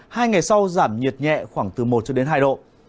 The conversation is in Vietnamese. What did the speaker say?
hai ngày sau giảm nhiệt nhẹ khoảng từ một cho đến hai độ